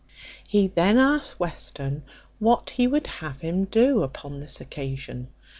He then asked Western what he would have him do upon this occasion.